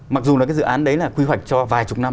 mặc dù là cái dự án đấy là quy hoạch cho vài chục năm